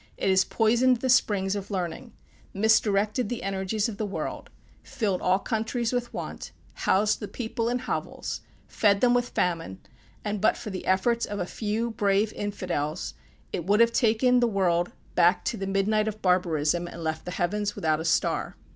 It has poisoned the springs of learning; misdirected the energies of the world; filled all countries with want; housed the people in hovels; fed them with famine; and but for the efforts of a few brave Infidels it would have taken the world back to the midnight of barbarism, and left the heavens without a star.